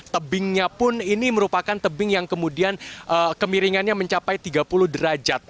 tebingnya pun ini merupakan tebing yang kemudian kemiringannya mencapai tiga puluh derajat